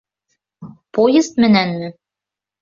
Поезд менәнме?